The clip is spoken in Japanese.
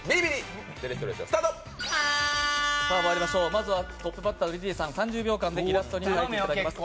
まずはトップバッターリリーさん、３０秒間でイラストを描いていただきます。